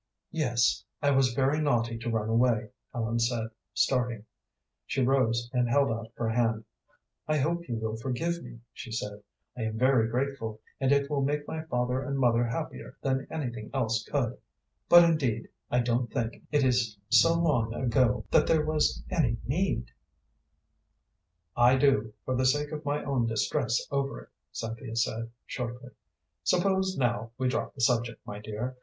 "Yes, I was very naughty to run away," Ellen said, starting. She rose, and held out her hand. "I hope you will forgive me," she said. "I am very grateful, and it will make my father and mother happier than anything else could, but indeed I don't think it is so long ago that there was any need " "I do, for the sake of my own distress over it," Cynthia said, shortly. "Suppose, now, we drop the subject, my dear.